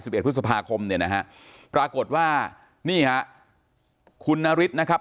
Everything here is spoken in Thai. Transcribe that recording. เอ็ดพฤษภาคมเนี่ยนะฮะปรากฏว่านี่ฮะคุณนฤทธิ์นะครับ